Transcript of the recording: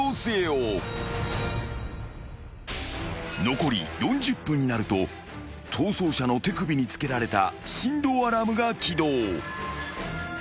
［残り４０分になると逃走者の手首につけられた振動アラームが起動］